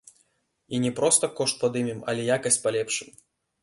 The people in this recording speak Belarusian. І не проста кошт падымем, але якасць палепшым.